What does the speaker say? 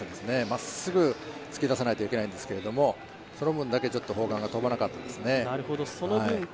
まっすぐ突き出さないといけないんですけども、その分だけ、ちょっと砲丸が飛ばなかったですね。